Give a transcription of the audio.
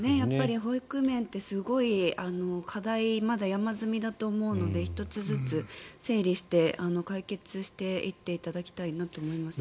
保育面って課題が山積みだと思うので１つずつ整理して解決していっていただきたいなと思いますね。